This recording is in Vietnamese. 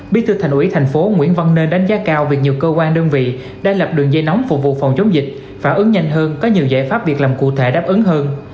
bí thư thành ủy tp hcm đánh giá cao việc nhiều cơ quan đơn vị đang lập đường dây nóng phục vụ phòng chống dịch phản ứng nhanh hơn có nhiều giải pháp việc làm cụ thể đáp ứng hơn